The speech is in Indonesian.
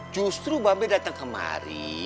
justru mbak b dateng kemari